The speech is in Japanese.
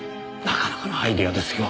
なかなかのアイデアですよ。